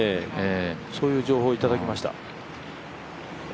そういう情報をいただきました。